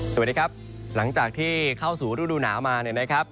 สวัสดีครับหลังจากที่เข้าสู่ฤดูหนาวมาเนี่ยนะครับ